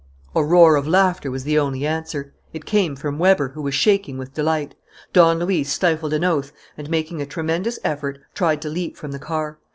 A roar of laughter was the only answer. It came from Weber, who was shaking with delight. Don Luis stifled an oath and, making a tremendous effort, tried to leap from the car.